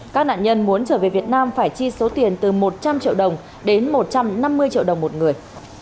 các nạn nhân muốn trở về việt nam phải chi số tiền từ một trăm linh triệu đồng đến một trăm năm mươi triệu đồng một người